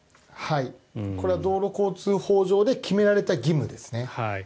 これは道路交通法上で決められた義務ですね。